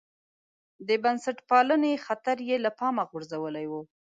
د بنسټپالنې خطر یې له پامه غورځولی و.